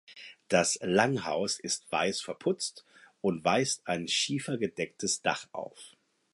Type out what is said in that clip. Das Langhaus ist weiß verputzt und weist ein schiefergedecktes Dach auf.